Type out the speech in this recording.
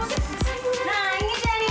aduh udah udah udah